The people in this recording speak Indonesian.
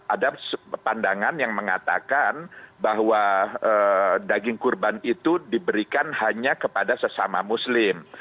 ada pandangan yang mengatakan bahwa daging kurban itu diberikan hanya kepada sesama muslim